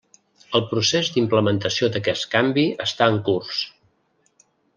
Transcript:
El procés d'implementació d'aquest canvi està en curs.